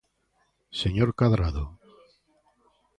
¡Señor Cadrado!